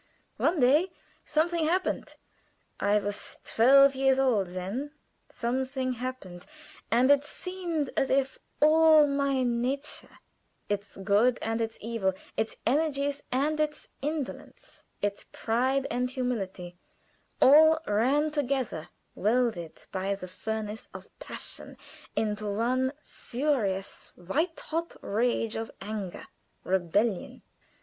One day something happened I was twelve years old then something happened, and it seemed as if all my nature its good and its evil, its energies and indolence, its pride and humility all ran together, welded by the furnace of passion into one furious, white hot rage of anger, rebellion.